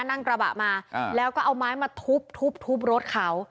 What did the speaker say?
นั่งกระบะมาแล้วก็เอาไม้มาทุบทุบรถเขา